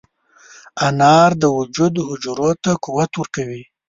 انار د وجود حجرو ته قوت ورکوي.